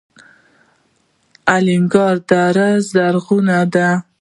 الینګار دره زرغونه ده؟